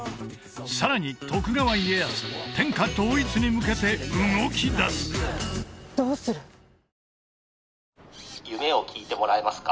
さらに徳川家康天下統一に向けて動きだすうわ！